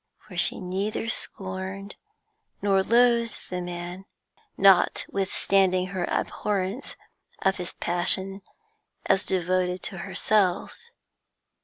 For she neither scorned nor loathed the man, notwithstanding her abhorrence of his passion as devoted to herself.